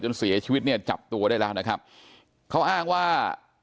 เสียชีวิตเนี่ยจับตัวได้แล้วนะครับเขาอ้างว่า